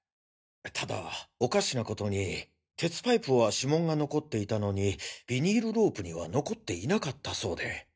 ただおかしな事に鉄パイプは指紋が残っていたのにビニールロープには残っていなかったそうで。